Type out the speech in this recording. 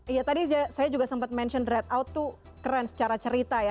iya tadi saya juga sempat mention dread out tuh keren secara cerita ya